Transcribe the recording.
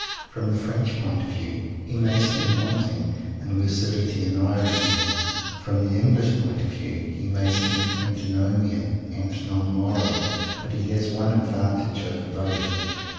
From the French point of view he may seem wanting in lucidity and irony; from the English point of view he may seem antinomian and non moral. But he has one advantage over both.